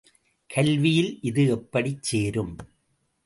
கல்வியில் இது எப்படிச் சேரும்?